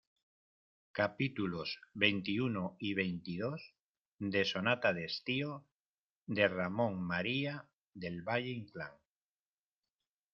capítulos veintiuno y veintidós de Sonata de Estío, de Ramón María del Valle-Inclán.